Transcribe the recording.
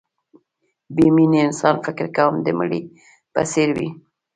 بې مینې انسان فکر کوم د مړي په څېر وي